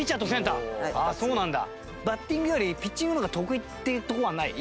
バッティングよりピッチングの方が得意っていうとこはない？